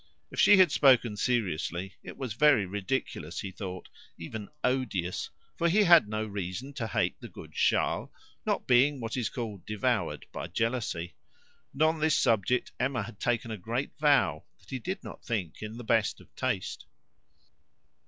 If she had spoken seriously, it was very ridiculous, he thought, even odious; for he had no reason to hate the good Charles, not being what is called devoured by jealousy; and on this subject Emma had taken a great vow that he did not think in the best of taste.